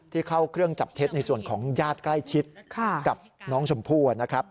เข้าเครื่องจับเท็จในส่วนของญาติใกล้ชิดกับน้องชมพู่นะครับ